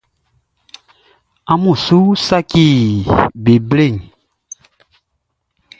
Amun su saci e blɛ.